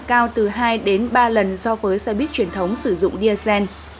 cao từ hai đến ba lần so với xe buýt truyền thống sử dụng diesel